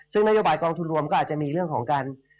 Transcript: ซึ่งนโยบายกองทุนรวมก็อาจจะมีเรื่องของการ